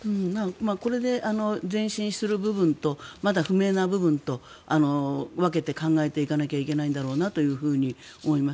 これで前進する部分とまだ不明な部分と分けて考えていかなきゃいけないんだろうなと思います。